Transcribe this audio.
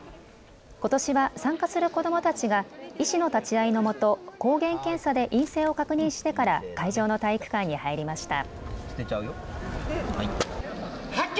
ことしは参加する子どもたちが医師の立ち会いのもと抗原検査で陰性を確認してから会場の体育館に入りました。